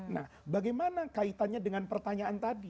nah bagaimana kaitannya dengan pertanyaan tadi